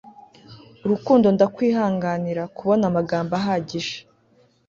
urukundo ndakwihanganira, kubona amagambo ahagije